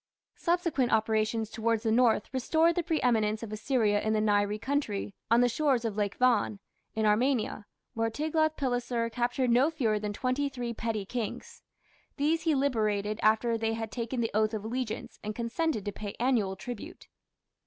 Subsequent operations towards the north restored the pre eminence of Assyria in the Nairi country, on the shores of Lake Van, in Armenia, where Tiglath pileser captured no fewer than twenty three petty kings. These he liberated after they had taken the oath of allegiance and consented to pay annual tribute.